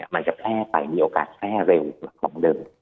มันจะแพร่ไปมีโอกาสแพร่เร็วกว่าของเดิม